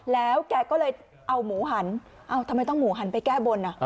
แล้วแกก็เลยเอาหมูหันเอ้าทำไมต้องหมูหันไปแก้บน